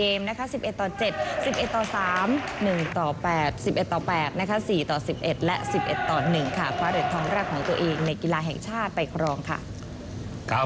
เพราะเร็ดทองแรกของตัวเองในกีฬาแห่งชาติไปกรองค่ะ